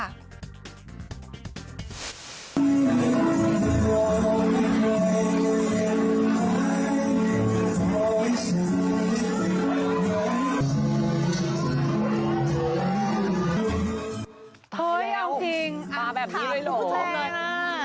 เฮ้ยเอาจริงถามผู้แชร์